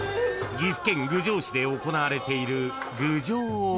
［岐阜県郡上市で行われている］